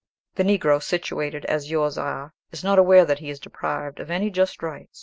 The Negro, situated as yours are, is not aware that he is deprived of any just rights."